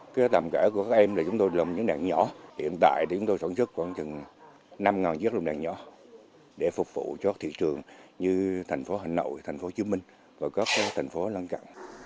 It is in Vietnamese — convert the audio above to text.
cái tầm kể của các em là chúng tôi làm những lồng đèn nhỏ hiện tại thì chúng tôi sản xuất khoảng năm chiếc lồng đèn nhỏ để phục vụ cho thị trường như thành phố hà nội thành phố hồ chí minh và các thành phố lân cận